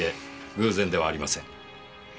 偶然ではありません。